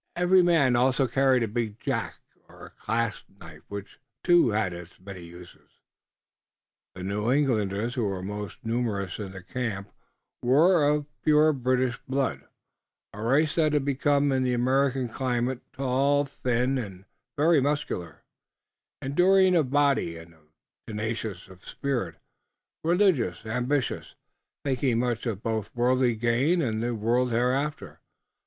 Every man also carried a big jack or clasp knife which, too, had its many uses. The New Englanders, who were most numerous in the camp, were of pure British blood, a race that had become in the American climate tall, thin and very muscular, enduring of body and tenacious of spirit, religious, ambitious, thinking much of both worldly gain and the world hereafter.